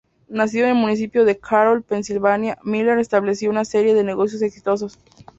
Nacido en el municipio de Carroll, Pensilvania, Miller estableció una serie de negocios exitosos.